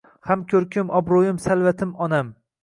Ham kõrkim obrõyim savlatim onam